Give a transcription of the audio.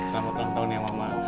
selamat ulang tahun yang mama